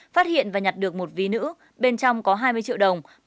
phát hiện và nhặt được một ví nữ bên trong có hai mươi triệu đồng